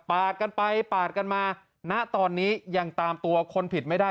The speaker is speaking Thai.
กันไปปาดกันมาณตอนนี้ยังตามตัวคนผิดไม่ได้